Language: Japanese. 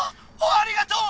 ありがとう！